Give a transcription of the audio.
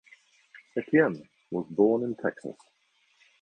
Etienne was born in Texas.